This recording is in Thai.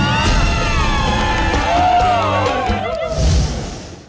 เก่งมากทุกคน